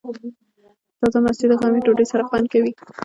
تازه مستې د غرمې ډوډۍ سره خوند کوي.